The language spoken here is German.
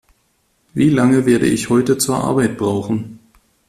Wie lange werde ich heute zur Arbeit brauchen?